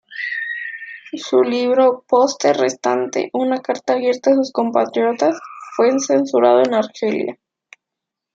Su libro "Poste restante", una carta abierta a sus compatriotas, fue censurado en Argelia.